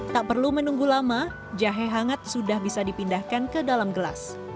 tak perlu menunggu lama jahe hangat sudah bisa dipindahkan ke dalam gelas